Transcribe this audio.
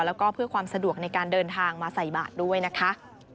แล้วก็เพื่อความสะดวกในการเดินทางมาใส่บาทด้วยนะคะ